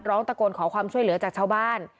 ร้องตะโกนขอความช่วยเหลือจากชาวบ้าน